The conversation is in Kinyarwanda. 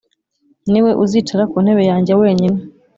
ni we uzicara ku ntebe yanjye wenyine